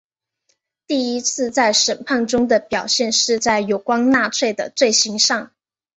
第一次在审判中的表现是在有关纳粹的罪行上。